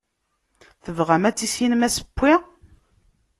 Tebɣam ad tissinem asewwi.